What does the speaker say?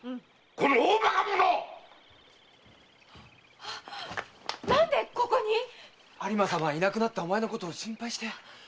・この大バカ者！何でここに⁉有馬様はいなくなったお前を心配して。